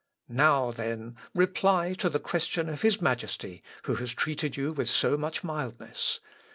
Now, then, reply to the question of his Majesty, who has treated you with so much mildness.